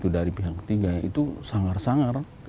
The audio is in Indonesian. dari pihak ketiga itu sanggar sangar